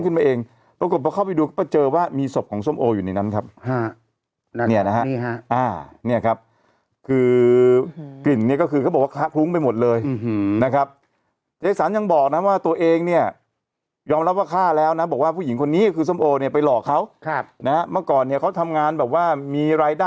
เขารักผู้หญิงคนนี้มากเขาว่าอย่างงั้นครับผมแต่งงานก็ไปแต่งที่อเมริกาอ่า